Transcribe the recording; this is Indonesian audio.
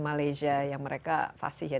malaysia yang mereka fasiha